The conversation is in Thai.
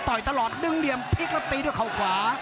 ตลอดดึงเหลี่ยมพลิกแล้วตีด้วยเขาขวา